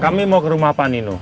kami mau ke rumah pak nino